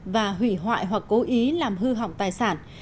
và hủy hoại hoặc cố ý làm hư hỏng tài sản